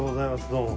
どうも。